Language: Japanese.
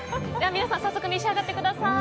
皆さん早速召し上がってください。